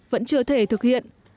vẫn chưa thể thực hiện